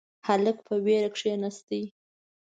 هلک په وېره کښیناست.